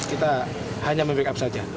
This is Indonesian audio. kita hanya membackup saja